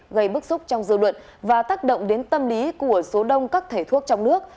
gây bức xúc trong dư luận và tác động đến tâm lý của số đông các thầy thuốc trong nước